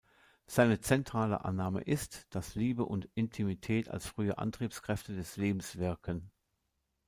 Seine zentrale Annahme ist, dass Liebe und Intimität als frühe Antriebskräfte des Lebens wirken.